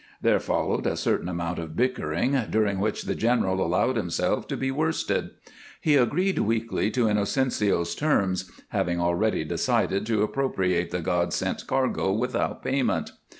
There followed a certain amount of bickering, during which the general allowed himself to be worsted. He agreed weakly to Inocencio's terms, having already decided to appropriate the God sent cargo without payment.